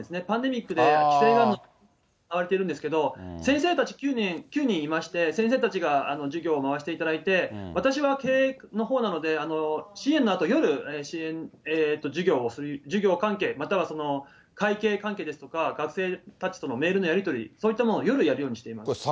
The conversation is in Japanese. パンデミックで規制がされてるんですけど、先生たち９人いまして、先生たちが授業を回していただいて、私は経営のほうなので、支援のあと、夜、支援、授業関係、またはその会計関係ですとか、学生たちとのメールのやり取り、そういったものを夜やるようにしています。